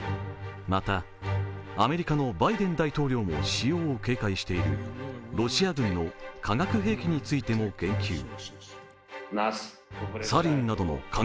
また、アメリカのバイデン大統領も使用を警戒しているロシア軍の化学兵器についても言及。